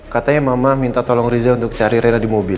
katanya mama minta tolong riza untuk cari rela di mobil